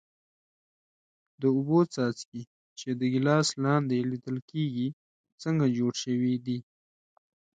د اوبو څاڅکي چې د ګیلاس لاندې لیدل کیږي څنګه جوړ شوي دي؟